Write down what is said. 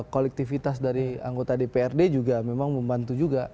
kolektivitas dari anggota dprd juga memang membantu juga